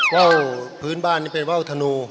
ว่าวพื้นบ้านนี่เป็นว่าวธนู